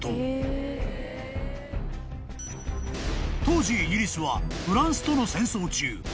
［当時イギリスはフランスとの戦争中］